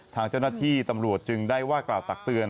ทางเจ้าหน้าที่ตำรวจจึงได้ว่ากล่าวตักเตือน